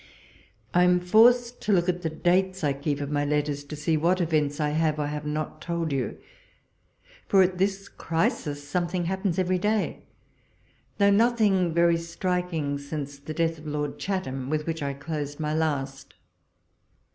I AM forced to look at the dates I keep of my letters, to see what events I have or have not told you ; for at this crisis something happens 161 walpole's letters. every day ; though nothing very striking since the death of Lord Chatham, with whicla 1 closed my last.